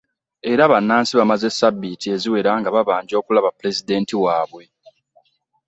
Era bannansi bamaze Ssabbiiti eziwera nga babanja okulaba Pulezidenti waabwe